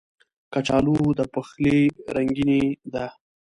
کچالو د پخلي رنګیني ده